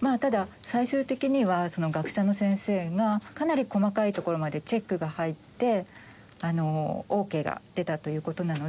まあただ最終的には学者の先生がかなり細かいところまでチェックが入ってオーケーが出たという事なので。